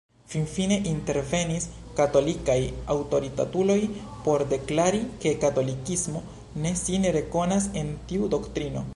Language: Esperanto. Finfine intervenis katolikaj aŭtoritatuloj por deklari ke katolikismo ne sin rekonas en tiu doktrino.